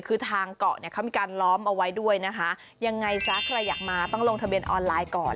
คือทางเกาะเนี่ยเขามีการล้อมเอาไว้ด้วยนะคะยังไงซะใครอยากมาต้องลงทะเบียนออนไลน์ก่อน